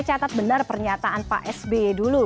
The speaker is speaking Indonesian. catat benar pernyataan pak sby dulu